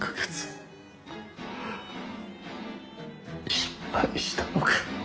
失敗したのかッ！